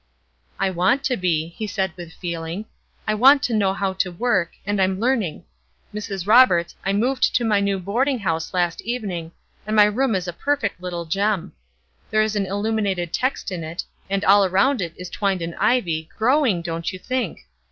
"I want to be," he said, with feeling; "I want to know how to work, and I'm learning. Mrs. Roberts, I moved to my new boarding house last evening, and my room is a perfect little gem. There is an illuminated text in it, and all around it is twined an ivy, growing, don't you think!